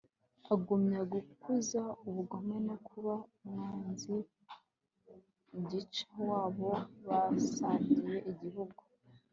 agumya gukuza ubugome no kuba umwanzi gica w'abo basangiye igihugu